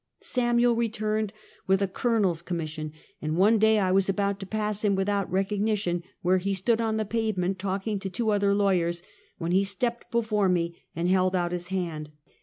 Samuel returned with a colon el's commission, and one day I was about to pass him without recognition, where he stood on the pavement talking to two other lawyers, when he stepped before me and held out his hand.